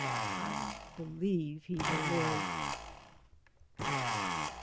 I believe he will live.